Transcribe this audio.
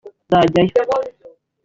nzajyayo